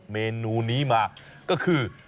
เมนูนี้มาก็คือ